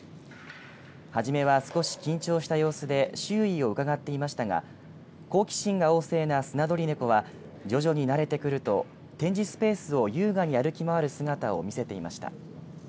初めは少し緊張した様子で周囲をうかがっていましたが好奇心が旺盛なスナドリネコは徐々に慣れてくると展示スペースを優雅に歩き回る姿を見せていました。